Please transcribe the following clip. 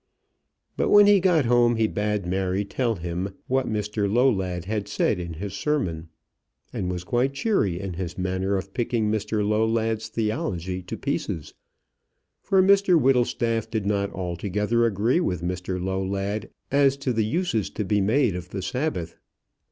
But when he got home he bade Mary tell him what Mr Lowlad had said in his sermon, and was quite cheery in his manner of picking Mr Lowlad's theology to pieces; for Mr Whittlestaff did not altogether agree with Mr Lowlad as to the uses to be made of the Sabbath.